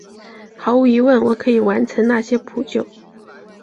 毫无疑问我可以完成那些扑救！